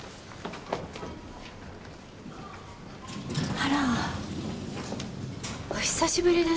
あらお久しぶりです。